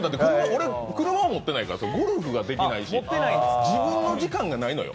俺は車持ってないからゴルフもできないし、自分の時間がないのよ。